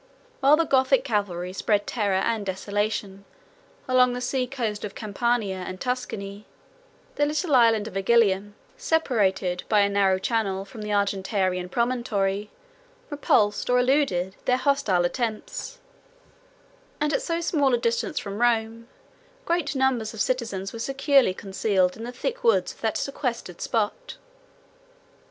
While the Gothic cavalry spread terror and desolation along the sea coast of Campania and Tuscany, the little island of Igilium, separated by a narrow channel from the Argentarian promontory, repulsed, or eluded, their hostile attempts; and at so small a distance from Rome, great numbers of citizens were securely concealed in the thick woods of that sequestered spot.